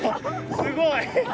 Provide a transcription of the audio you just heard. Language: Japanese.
すごい。